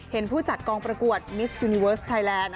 ผู้จัดกองประกวดมิสยูนิเวิร์สไทยแลนด